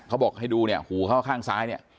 เขาบอกให้ดูเนี่ยหูเขาข้างซ้ายเนี่ย